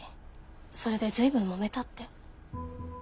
それで随分揉めたって。